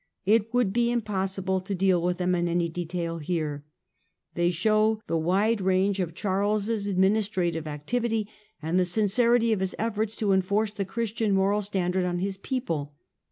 It would be impossible to deal with them in any detail here. They show the wide range of Charles' administra tive activity and the sincerity of his efforts to enforce the Christian moral standard on his people.